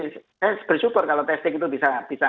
saya bersyukur kalau testing itu bisa